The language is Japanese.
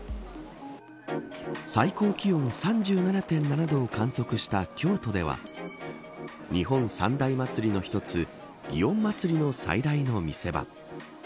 最高気温３７．７度を観測した京都では日本三大祭りの一つ祇園祭の最大の見せ場。